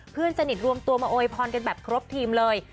เพื่อนสนิทรวมตัวมาโอยพรกันแบบครบทีมเลย